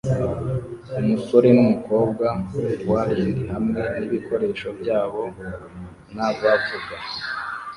Umusore numukobwa waling hamwe nibikoresho byabo n'abavuga